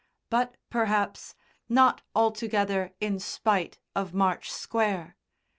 But, perhaps, not altogether in spite of March Square.